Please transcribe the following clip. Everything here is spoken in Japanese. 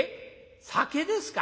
酒ですか。